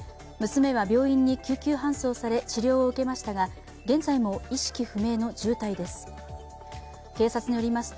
娘は病院に救急搬送され、治療を受けましたが、現在も意識不明の重体です。